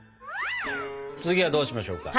次はどうしましょうか？